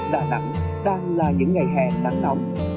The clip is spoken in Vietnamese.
đà nẵng đang là những ngày hè nắng nóng